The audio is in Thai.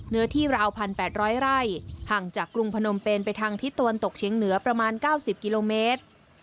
เนื้อที่ราว๑๘๐๐ไร่ห่างจากกรุงพนมเป็นไปทางทิศตะวันตกเฉียงเหนือประมาณ๙๐กิโลเมตร